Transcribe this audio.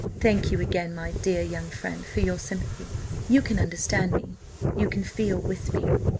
Thank you again, my dear young friend, for your sympathy; you can understand me, you can feel with me."